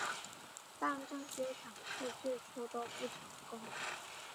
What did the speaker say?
但这些尝试最初都不成功。